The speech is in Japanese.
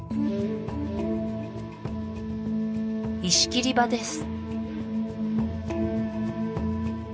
石切場です